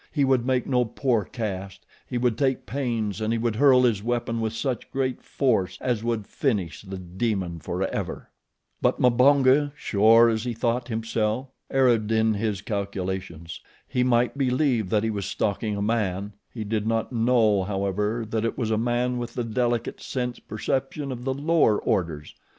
He would make no poor cast; he would take pains, and he would hurl his weapon with such great force as would finish the demon forever. But Mbonga, sure as he thought himself, erred in his calculations. He might believe that he was stalking a man he did not know, however, that it was a man with the delicate sense perception of the lower orders.